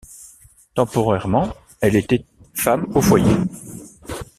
Temporairement, elle était femme au foyer.